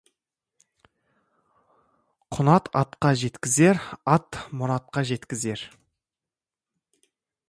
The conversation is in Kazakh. Құнан атқа жеткізер, ат мұратқа жеткізер.